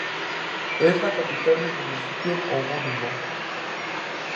Es capital del municipio homónimo.